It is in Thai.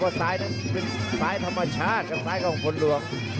เพราะซ้ายนี่ซ้ายธรรมชาติกับซ้ายของฝนหลวง